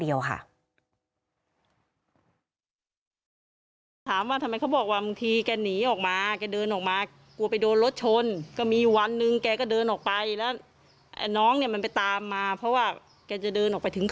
อย่าฟังความข้างเดียวค่ะ